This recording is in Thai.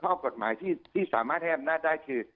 ออกกฎหมายที่สามารถให้อำนาจได้คือ